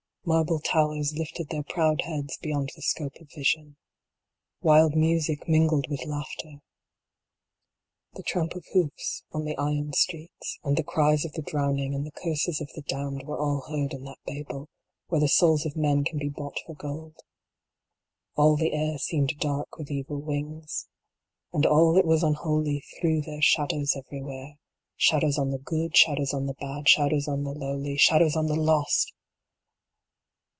Marble towers lifted their proud heads beyond the scope of vision. Wild music mingled with laughter. The tramp of hoofs on the iron streets, and the cries of the drowning, and the curses of the damned were all heard in that Babel, where the souls of men can be bought for gold. All the air seemed dark with evil wings. And all that was unholy threw their shadows everywhere, Shadows on the good, Shadows on the bad, Shadows on the lowly, Shadows on the lost